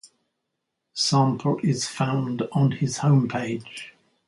A sample is found on his homepage.